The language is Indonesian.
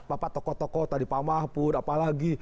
bapak tokoh tokoh tadi pamah pun apalagi